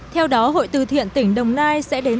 theo đó hội từ thiện tỉnh đồng nai sẽ đến